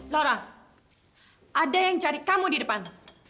sora ada yang cari kamu di depan